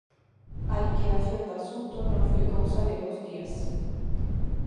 A liquidación do asunto non foi cousa de dous días.